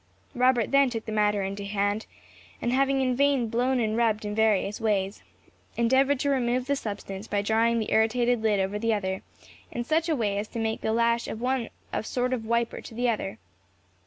Robert then took the matter in hand, and having in vain blown and rubbed in various ways, endeavoured to remove the substance by drawing the irritated lid over the other, in such a way as to make the lash of one a sort of wiper to the other.